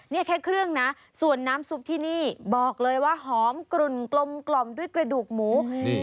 นี่แค่เครื่องนะส่วนน้ำซุปที่นี่บอกเลยว่าหอมกลุ่นกลมกล่อมด้วยกระดูกหมูอืม